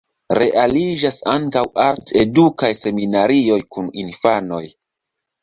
Realiĝas ankaŭ art-edukaj seminarioj kun infanoj.